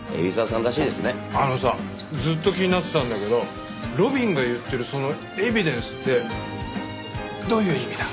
あのさずっと気になってたんだけど路敏が言ってるその「エビデンス」ってどういう意味だ？